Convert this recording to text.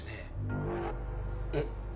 えっ？